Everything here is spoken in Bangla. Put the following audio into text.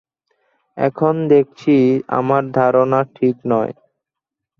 এখন দেখছি আমার ধারণা ঠিক নয়।